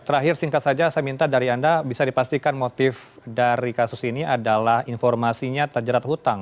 terakhir singkat saja saya minta dari anda bisa dipastikan motif dari kasus ini adalah informasinya terjerat hutang